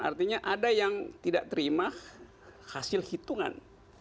artinya ada yang tidak terima hasil hitungan